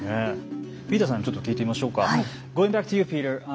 ピーターさんにちょっと聞いてみましょうか。